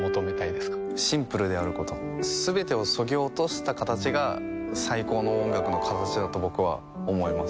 シンプルであることすべてを削ぎ落としたかたちが最高の音楽のかたちだと僕は思います